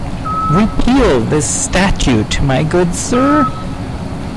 Repeal this statute, my good sir?